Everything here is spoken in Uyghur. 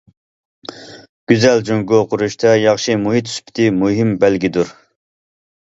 گۈزەل جۇڭگو قۇرۇشتا، ياخشى مۇھىت سۈپىتى مۇھىم بەلگىدۇر.